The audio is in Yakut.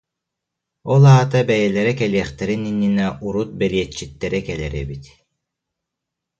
Ол аата бэйэлэрэ кэлиэхтэрин иннинэ урут бэриэтчиттэрэ кэлэр эбит